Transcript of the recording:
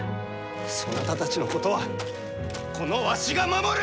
そなたたちのことはこのわしが守る！